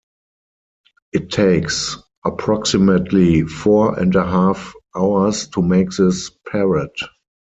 It takes approximately four and half hours to make this parrot.